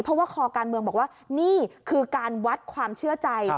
เพราะว่าคอการเมืองบอกว่านี่คือการวัดความเชื่อใจ